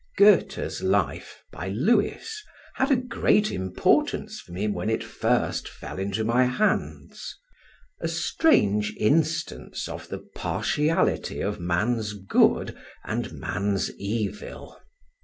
Goethe's Life, by Lewes, had a great importance for me when it first fell into my hands a strange instance of the partiality of man's good and man's evil.